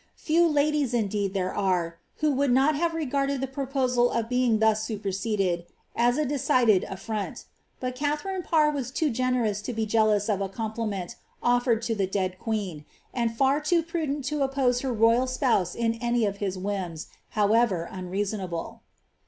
Few » indeed, there are, who would not have regarded the proposal of thus superseded, as a decided affront ; but Katharine Parr was too >us to be jealous of a compliment offered to the dead queen, and > prudent to oppose her royal spouse in any of his whims, how mreasonable.